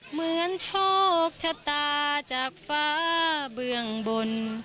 เหมือนโชคชะตาจากฟ้าเบื้องบน